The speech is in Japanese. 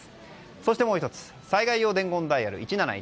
そしてもう１つ災害用伝言ダイヤル１７１。